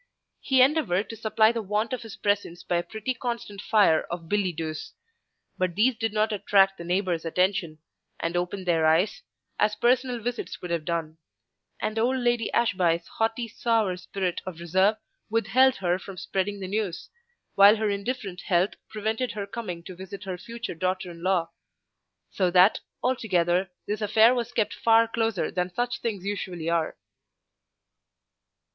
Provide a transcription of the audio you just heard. He endeavoured to supply the want of his presence by a pretty constant fire of billets doux; but these did not attract the neighbours' attention, and open their eyes, as personal visits would have done; and old Lady Ashby's haughty, sour spirit of reserve withheld her from spreading the news, while her indifferent health prevented her coming to visit her future daughter in law; so that, altogether, this affair was kept far closer than such things usually are.